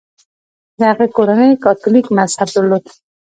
د هغه کورنۍ کاتولیک مذهب درلود.